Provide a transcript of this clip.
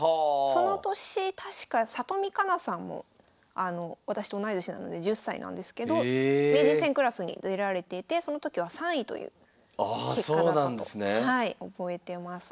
その年確か里見香奈さんも私と同い年なので１０歳なんですけど名人戦クラスに出られていてその時は３位という結果だったと覚えてます。